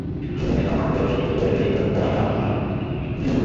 বিনোদিনী ও মহেন্দ্রের যে-দৃশ্য সে দেখিয়াছিল, তাহা তাহার মনে মুদ্রিত ছিল।